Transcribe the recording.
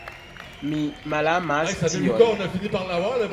Mi malamas tion.